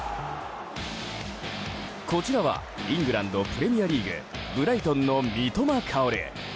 こちらはイングランド・プレミアリーグブライトンの三笘薫。